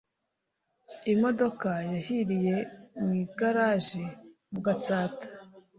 Imodoka yahiriye mu igarage mugatsata